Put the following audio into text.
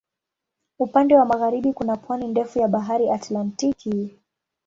Upande wa magharibi kuna pwani ndefu ya Bahari Atlantiki.